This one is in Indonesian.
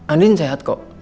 andin sehat kok